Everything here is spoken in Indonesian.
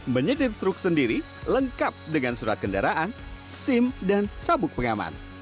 menyetir truk sendiri lengkap dengan surat kendaraan sim dan sabuk pengaman